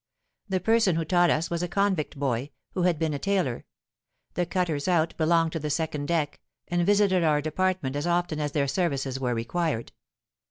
The person who taught us was a convict boy, who had been a tailor: the cutters out belonged to the second deck, and visited our department as often as their services were required.